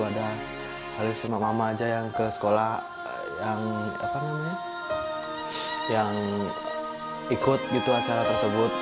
ada alif sama mama aja yang ke sekolah yang ikut gitu acara tersebut